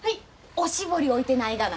おしぼり置いてないがな。